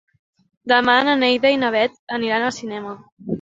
Demà na Neida i na Bet aniran al cinema.